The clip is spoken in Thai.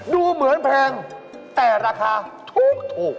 ดูเหมือนแพงแต่ราคาถูก